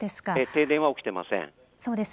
停電は起きていません。